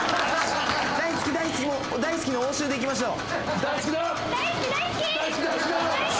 「大好き大好き」「大好き」の応酬でいきましょう。